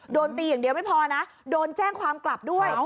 โดนตีอย่างเดียวไม่พอนะโดนแจ้งความกลับด้วย